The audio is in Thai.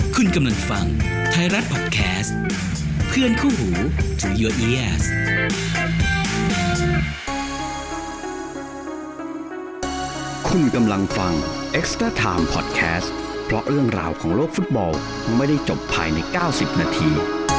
คุณกำลังฟังไทยรัฐพอดแคสต์เพื่อนคู่หูที่คุณกำลังฟังพอดแคสต์เพราะเรื่องราวของโลกฟุตบอลไม่ได้จบภายใน๙๐นาที